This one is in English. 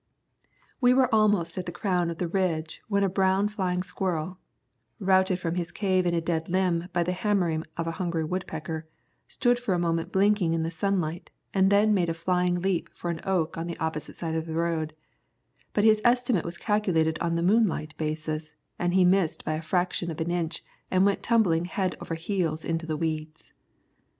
We were almost at the crown of the ridge when a brown flying squirrel, routed from his cave in a dead limb by the hammering of a hungry woodpecker, stood for a moment blinking in the sunlight and then made a flying leap for an oak on the opposite side of the road; but his estimate was calculated on the moonlight basis, and he missed by a fraction of an inch and went tumbling head over heels into the weeds.